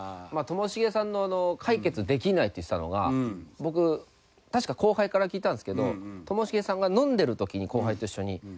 ともしげさんの解決できないって言ってたのが僕確か後輩から聞いたんですけどともしげさんが飲んでる時に後輩と一緒に。